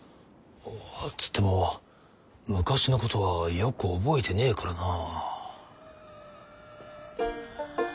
つっても昔のことはよく覚えてねえからなあ。